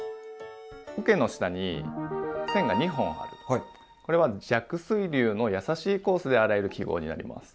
おけの下に線が２本あるこれは弱水流のやさしいコースで洗える記号になります。